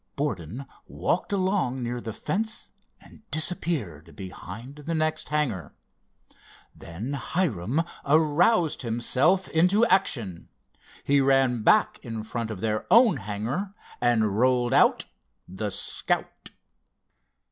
Borden walked along near the fence and disappeared behind the next hangar. Then Hiram aroused himself into action. He ran back in front of their own hangar and rolled out the Scout.